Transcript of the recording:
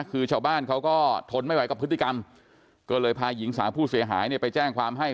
คือชาวบ้านเขาก็ทนไม่ไหวกับพฤติกรรมก็เลยพาหญิงสาวผู้เสียหายเนี่ยไปแจ้งความให้